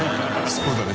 そうだね